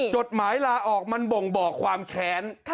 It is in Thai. จดหมายลาออกมันบ่งบอกความแค้น